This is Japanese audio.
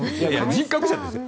人格者ですよ。